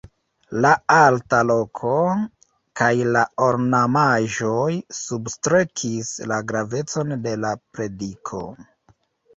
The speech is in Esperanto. La alta loko kaj la ornamaĵoj substrekis la gravecon de la prediko.